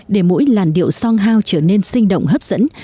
để mỗi làn điệu song hao trở nên sinh động hấp dẫn